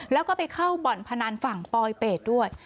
แล้วก็ไปเข้าบ่อนพนันฝั่งปลอยเป็ดด้วย